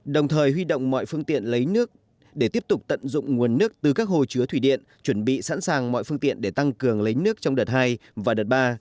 đồng thời huy động mọi phương tiện lấy nước để tiếp tục tận dụng nguồn nước từ các hồ chứa thủy điện chuẩn bị sẵn sàng mọi phương tiện để tăng cường lấy nước trong đợt hai và đợt ba